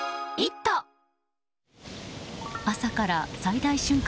朝から最大瞬間